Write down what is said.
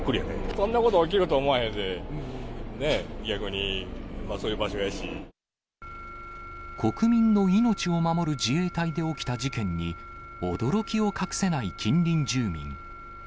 こんなこと起きるとは思わへんで、ねえ、国民の命を守る自衛隊で起きた事件に、驚きを隠せない近隣住民。